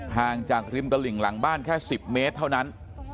ห่างจากริมตลิ่งหลังบ้านแค่๑๐เมตรเท่านั้น